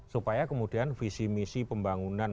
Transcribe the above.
supaya kemudian visi misi pembangunan